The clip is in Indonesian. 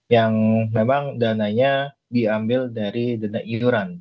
yang memang dananya diambil dari dana iuran